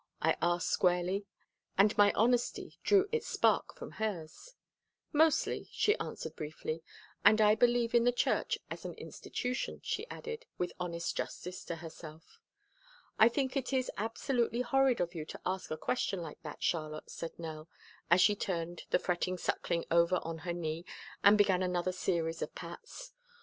I asked squarely, and my honesty drew its spark from hers. "Mostly," she answered briefly. "And I believe in the church as an institution," she added, with honest justice to herself. "I think it is absolutely horrid of you to ask a question like that, Charlotte," said Nell, as she turned the fretting Suckling over on her knee and began another series of pats.